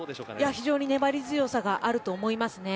非常に粘り強さがあると思いますね。